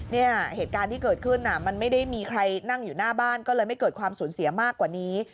เหตุการณ์ที่เกิดขึ้นมันไม่ได้มีใครนั่งอยู่หน้าบ้านก็เลยไม่เกิดความสูญเสียมากกว่านี้